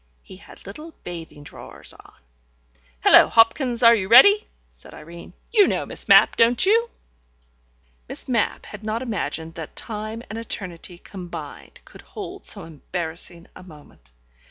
He had little bathing drawers on. ... "Hullo, Hopkins, are you ready," said Irene. "You know Miss Mapp, don't you?" Miss Mapp had not imagined that Time and Eternity combined could hold so embarrassing a moment.